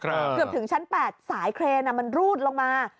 เกือบถึงชั้น๘สายเครนมันรูดลงมา